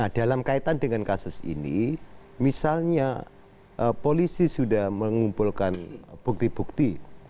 nah dalam kaitan dengan kasus ini misalnya polisi sudah mengumpulkan bukti bukti